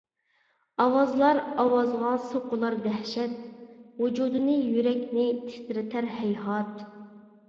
ئاۋازلار ئاۋازغا سوقۇلار دەھشەت، ۋۇجۇدنى يۈرەكنى تىترىتەر ھەيھات!